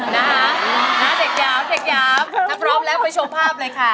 นะฮะเด็กหยาวถ้าพร้อมแล้วไปโชว์ภาพเลยค่ะ